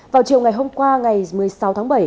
vào chiều ngày hôm qua ngày một mươi sáu tháng bảy